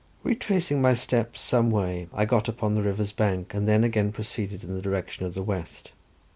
Retracing my steps some way I got upon the river's bank and then again proceeded in the direction of the west.